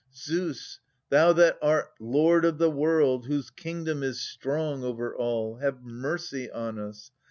Zeus, thou that art lord of the world, whose kingdom is strong over all, Have mercy on us